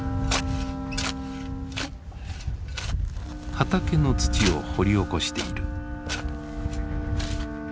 畑の土を掘り起こしている。